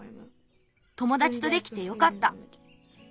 ともだちとできてよかった。